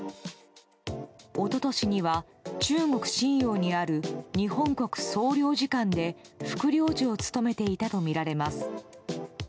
一昨年には中国・瀋陽にある日本国総領事館で副領事を務めていたとみられます。